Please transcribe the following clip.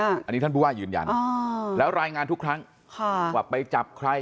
อันนี้ท่านผู้ว่ายืนยันแล้วรายงานทุกครั้งว่าไปจับใคร